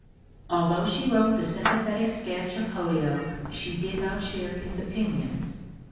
Although she wrote the sympathetic sketch of Holyoake she did not share his opinions.